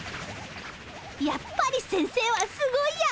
やっぱり先生はすごいや。